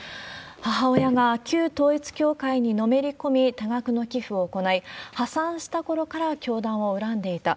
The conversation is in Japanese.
母親が旧統一教会にのめり込み、多額の寄付を行い、破産したころから教団を恨んでいた。